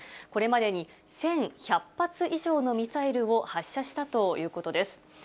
これまでに１１００発以上のミサイルを発射したということです。